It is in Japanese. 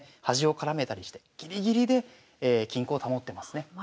端を絡めたりしてギリギリで均衡を保ってますね。